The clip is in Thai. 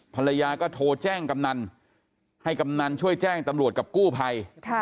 ภรรยาก็โทรแจ้งกำนันให้กำนันช่วยแจ้งตำรวจกับกู้ภัย